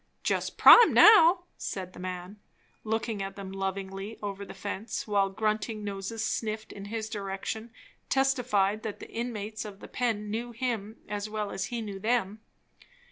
"Just prime now," said the man, looking at them lovingly over the fence, while grunting noses sniffing in his direction testified that the inmates of the pen knew him as well as he knew them.